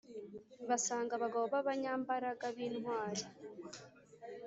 Basanga abagabo b abanyambaraga b intwari